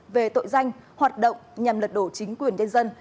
về tội danh hoạt động nhằm lật đổ chính quyền nhân dân